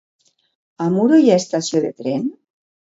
A Muro hi ha estació de tren?